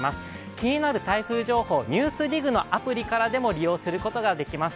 気になる台風情報、「ＮＥＷＳＤＩＧ」のアプリからでも利用することができます。